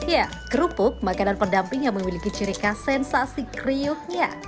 ya kerupuk makanan pendamping yang memiliki cirika sensasi kriuknya